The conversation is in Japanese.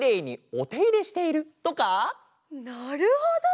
なるほど！